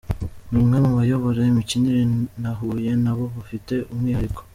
Ni umwe mu bayobora imikinire nahuye na bo bafite umwihariko.